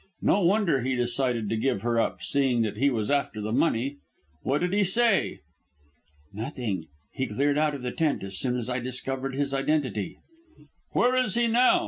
No wonder he decided to give her up, seeing that he was after the money. What did he say?" "Nothing. He cleared out of the tent as soon as I discovered his identity." "Where is he now?"